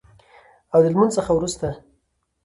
او د لمونځ څخه وروسته